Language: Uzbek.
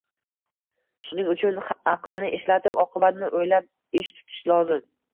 Shuning uchun aqlni ishlatib, oqibatni o‘ylab ish tutish lozim.